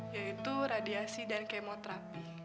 yaitu radiasi dan kemoterapi